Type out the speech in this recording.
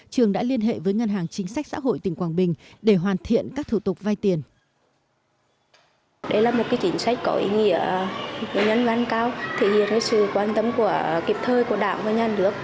trường đã liên hệ với ngân hàng chính sách xã hội tỉnh quảng bình để hoàn thiện các thủ tục vay tiền